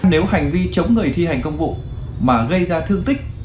nếu hành vi chống người thi hành công vụ mà gây ra thương tích